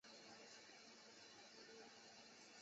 科尔内利乌斯家族的成员。